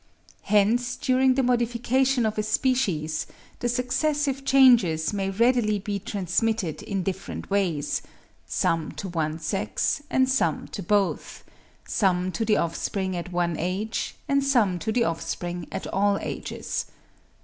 Hence during the modification of a species, the successive changes may readily be transmitted in different ways; some to one sex, and some to both; some to the offspring at one age, and some to the offspring at all ages.